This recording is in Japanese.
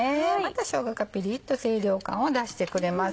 しょうががピリっと清涼感を出してくれます。